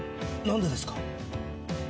何でですか？